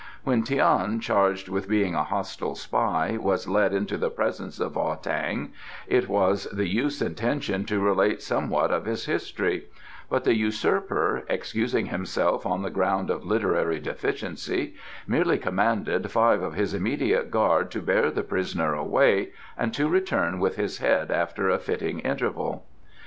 When Tian, charged with being a hostile spy, was led into the presence of Ah tang, it was the youth's intention to relate somewhat of his history, but the usurper, excusing himself on the ground of literary deficiency, merely commanded five of his immediate guard to bear the prisoner away and to return with his head after a fitting interval.